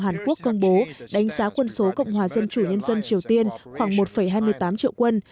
hàn quốc công bố đánh giá quân số cộng hòa dân chủ nhân dân triều tiên khoảng một hai mươi tám triệu quân